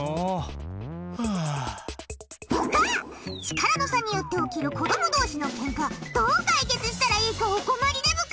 力の差によって起きる子供同士のケンカどう解決したらいいかお困りでブカ。